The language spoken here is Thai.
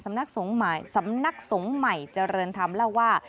สำนักสงฆ์ใหม่เจริญธรรมเล่าว่า